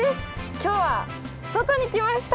今日は外に来ました。